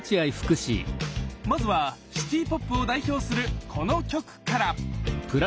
まずはシティーポップを代表するこの曲から！